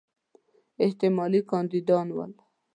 احتمالي کاندیدان ول.